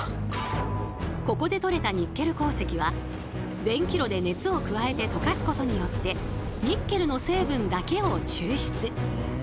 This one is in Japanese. ここで取れたニッケル鉱石は電気炉で熱を加えて溶かすことによってニッケルの成分だけを抽出。